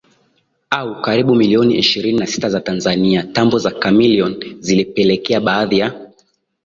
au karibu milioni ishirini na sita za Tanzania Tambo za Chameleone zilipelekea baadhi ya